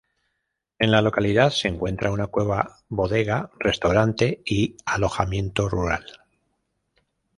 En la localidad se encuentra una cueva, bodega, restaurante y alojamiento rural.